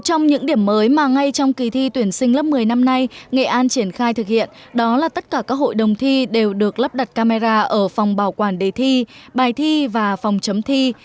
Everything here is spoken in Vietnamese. trong những điểm mới mà ngay trong kỳ thi tuyển sinh lớp một mươi năm nay nghệ an triển khai thực hiện đó là tất cả các hội đồng thi đều được lắp đặt camera ở phòng bảo quản đề thi bài thi và phòng chấm thi